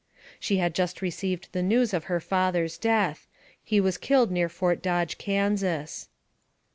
She had just received the news of her father's death. He was killed near Fort Dodge, Kansas.